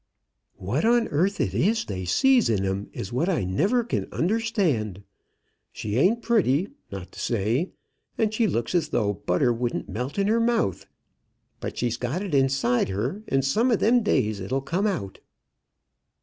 "What on earth it is they sees in 'em, is what I never can understand. She ain't pretty, not to say, and she looks as though butter wouldn't melt in her mouth. But she's got it inside her, and some of them days it'll come out."